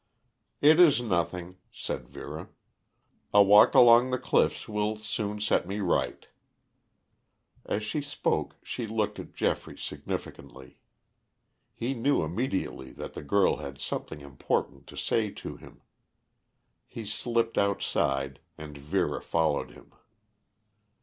"It is nothing," said Vera. "A walk along the cliffs will soon set me right." As she spoke she looked at Geoffrey significantly. He knew immediately that the girl had something important to say to him. He slipped outside and Vera followed him.